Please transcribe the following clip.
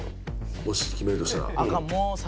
もし決めるとしたら。